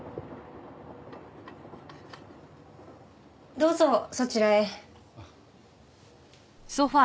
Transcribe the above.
どうぞそちらへ。